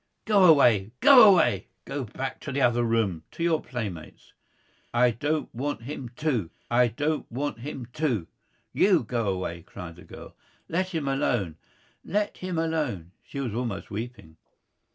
"Go away! Go away! Go back to the other room, to your playmates." "I don't want him to. I don't want him to! You go away!" cried the girl. "Let him alone! Let him alone!" She was almost weeping.